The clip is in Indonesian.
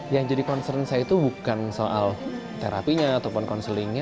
yang jadi concern saya itu bukan soal terapinya ataupun konselingnya